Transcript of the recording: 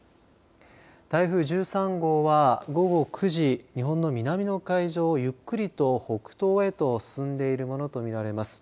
台風１３号は午後９時、日本の南の海上をゆっくりと北東へと進んでいるものと見られます。